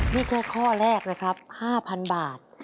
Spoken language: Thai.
นี่แค่ข้อแรกนะครับ๕๐๐๐บาท